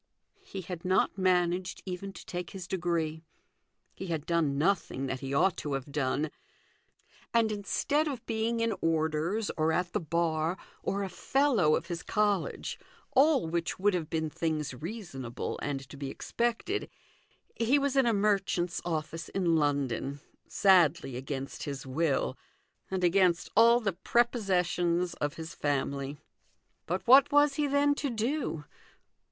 He had not managed even to take his degree ; he had done nothing that he ought to have done : and, instead of being in orders or at the bar, or a fellow of his college, all which would have been things reasonable and to be expected, he was in a merchant's office in London, sadly against his will, and against all the prepossessions of his family. But what was he, then, to do